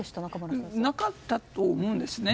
なかったと思うんですね。